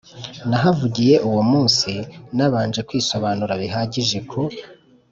nahavugiye uwo munsi, nabanje kwisobanura bihagije ku